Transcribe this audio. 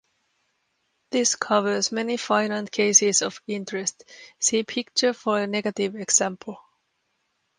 This covers many finite cases of interest; see picture for a negative example.